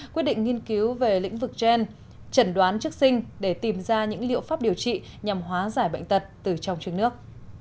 quyết định nghiên cứu về lĩnh vực gen trần đoán trước sinh để tìm ra những liệu pháp điều trị nhằm hóa giải bệnh tật từ trong trước nước